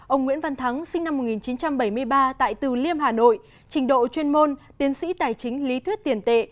ông nguyễn văn thắng sinh năm một nghìn chín trăm bảy mươi ba tại từ liêm hà nội trình độ chuyên môn tiến sĩ tài chính lý thuyết tiền tệ